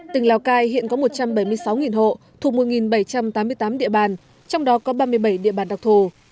tỉnh lào cai hiện có một trăm bảy mươi sáu hộ thuộc một bảy trăm tám mươi tám địa bàn trong đó có ba mươi bảy địa bàn đặc thù